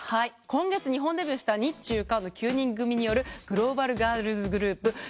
今月日本デビューした日中韓の９人組によるグローバルガールズグループＫｅｐ